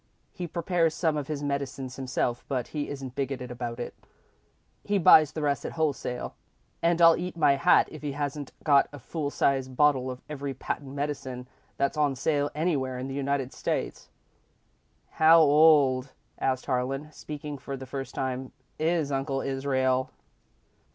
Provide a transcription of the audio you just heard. He prepares some of his medicines himself, but he isn't bigoted about it. He buys the rest at wholesale, and I'll eat my hat if he hasn't got a full sized bottle of every patent medicine that's on sale anywhere in the United States." "How old," asked Harlan, speaking for the first time, "is Uncle Israel?"